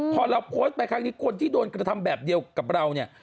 พอเราโพสต์ไปครั้งนี้คนที่โดนกระทำแบบเดียวกับเราเนี่ย